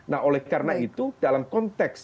nah oleh karena itu dalam konteks